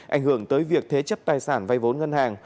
ảnh hưởng tới việc thế chấp tài sản vay vốn ngân hàng